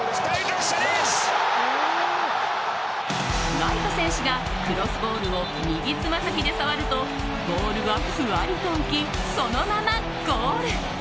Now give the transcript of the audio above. ライト選手がクロスボールを右つま先で触るとボールはふわりと浮きそのままゴール！